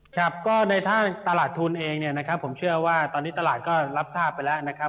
ครับก็ในทางตลาดทุนเองเนี่ยนะครับผมเชื่อว่าตอนนี้ตลาดก็รับทราบไปแล้วนะครับ